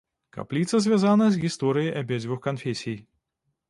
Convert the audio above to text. Капліца звязана з гісторыяй абедзвюх канфесій.